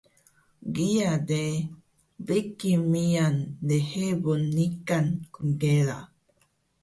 kiya de biqi miyan lhebun niqan knkela